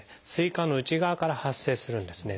膵管の内側から発生するんですね。